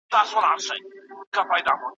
آیا تاسو په ساده ژبه لیکنه کوئ؟